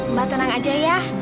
mbak tenang aja ya